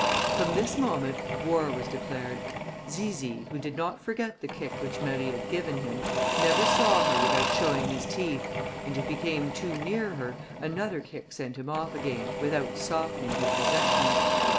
From this moment war was declared. Zizi, who did not forget the kick which Marie had given him, never saw her without showing his teeth, and if he came too near her, another kick sent him off again, without softening his resentment.